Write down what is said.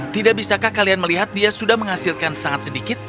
tidak bisakah kalian melihat dia sudah menghasilkan sangat sedikit